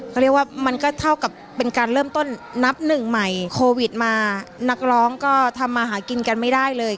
เขาเรียกว่ามันก็เท่ากับเป็นการเริ่มต้นนับหนึ่งใหม่โควิดมานักร้องก็ทำมาหากินกันไม่ได้เลย